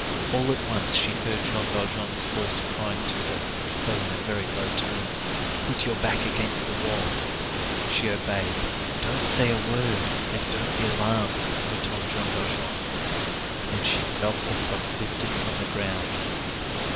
All at once she heard Jean Valjean's voice crying to her, though in a very low tone:— "Put your back against the wall." She obeyed. "Don't say a word, and don't be alarmed," went on Jean Valjean. And she felt herself lifted from the ground.